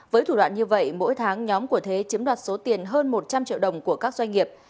với thủ đoạn như vậy mỗi tháng nhóm của thế chiếm đoạt số tiền hơn một trăm linh triệu đồng của các doanh nghiệp